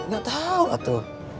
gak tahu atu